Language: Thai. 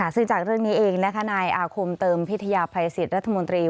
ซึ่งจากเรื่องนี้เองนายอาคมเติมพิทยาภัยสิทธิ์รัฐมนตรี